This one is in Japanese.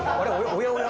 おやおや？